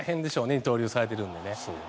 二刀流をされているので。